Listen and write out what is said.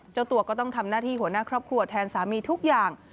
เจ้าตัวก็ต้องทำหน้าที่หัวหน้าครอบครัวแทนสามีทุกอย่าง